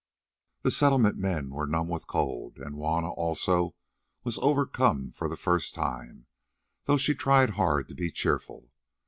The Settlement men were numb with cold, and Juanna also was overcome for the first time, though she tried hard to be cheerful.